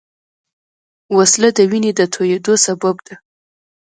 وسله د وینې د تویېدو سبب ده